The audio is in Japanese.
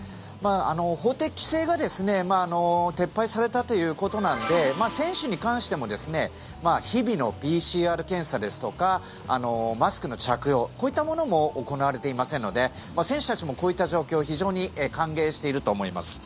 法的規制が撤廃されたということなんで選手に関しても日々のＰＣＲ検査ですとかマスクの着用、こういったものも行われていませんので選手たちもこういった状況非常に歓迎していると思います。